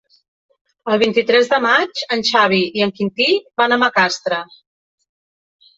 El vint-i-tres de maig en Xavi i en Quintí van a Macastre.